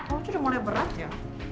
kamu tuh udah mulai berat ya